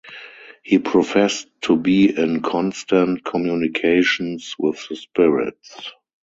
He professed to be in constant communications with the spirits.